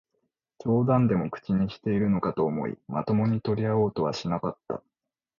冗談でも口にしているのかと思い、まともに取り合おうとはしなかった